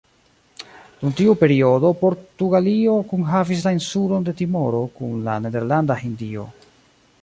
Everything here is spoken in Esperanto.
Dum tiu periodo, Portugalio kunhavis la insulon de Timoro kun la Nederlanda Hindio.